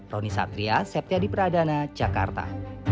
roni satria septiadi pradana jakarta